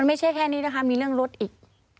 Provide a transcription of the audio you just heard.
ไม่ใช่แค่นี้นะคะมีเรื่องรถอีก